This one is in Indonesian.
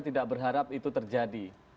tidak berharap itu terjadi